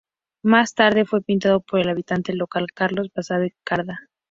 Más tarde fue pintado por el habitante local Carlos Basabe Cerdá.